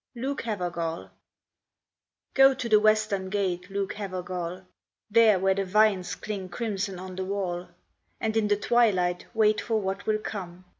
Luke Havergal Go to the western gate, Luke Havergal, There where the vines cling crimson on the wall, And in the twilight wait for what will come.